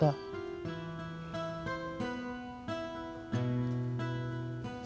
gak ada apa apa